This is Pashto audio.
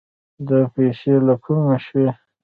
دا پيسې له کومه شوې؟